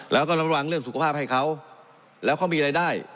แล้วก็ระวังเรื่องสุขภาพให้เขาแล้วเขามีรายได้